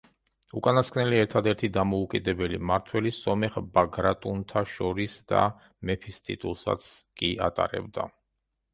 უკანასკნელი ერთადერთი დამოუკიდებელი მმართველი სომეხ ბაგრატუნთა შორის და მეფის ტიტულსაც კი ატარებდა.